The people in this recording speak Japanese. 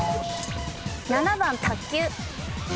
７番卓球。